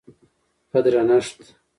په درنښت